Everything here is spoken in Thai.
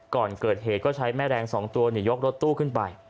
ก่อนเกิดเหตุก็ใช้แม่แรง๒ตัวยกรถตู้ขึ้นไป